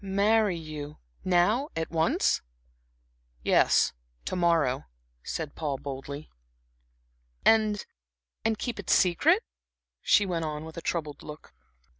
"Marry you now at once?" "Yes, to morrow," said Paul, boldly. "And and keep it secret?" she went on, with a troubled look.